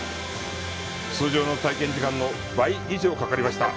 通常の体験時間の倍以上かかりました。